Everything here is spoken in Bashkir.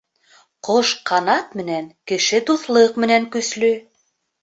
Ҡош ҡанат менән, кеше дуҫлыҡ менән көслө